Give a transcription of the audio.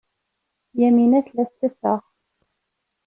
Yamina tella tetteffeɣ.